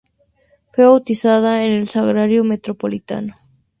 Fue bautizada en el Sagrario Metropolitano.